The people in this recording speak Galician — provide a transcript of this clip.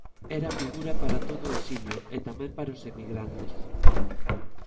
Era a figura para todo o exilio e tamén para os emigrantes.